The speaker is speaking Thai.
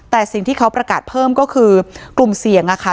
แต่สิ่งที่เขาประกาศเพิ่มก็คือกลุ่มเสี่ยงอะค่ะ